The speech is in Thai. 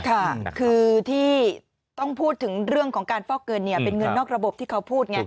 ค่ะคือที่ต้องพูดถึงเรื่องของการฟอกเงินเป็นเงินนอกระบบที่เขาพูดไง